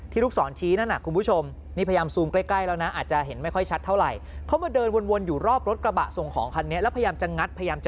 ที่ลูกศรชี้นั่นนะคุณผู้ชม